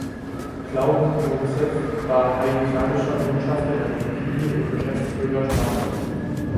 Claude Joseph war haitianischer Botschafter in Argentinien und Geschäftsträger Spaniens.